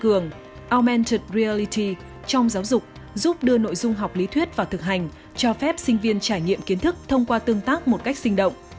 cơ sở ảo vr augmented reality trong giáo dục giúp đưa nội dung học lý thuyết và thực hành cho phép sinh viên trải nghiệm kiến thức thông qua tương tác một cách sinh động